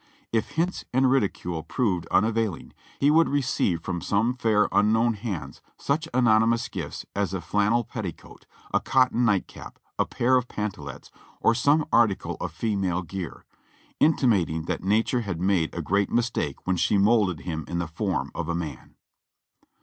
If hints and ridicule proved unavailing, he would re ceive from some fair unknown hands such anonymous gifts as a flannel petticoat, a cotton night cap, a pair of pantalets, or some article of female gear, intimating that nature had made a great mistake w^ien she molded him in the form of a man.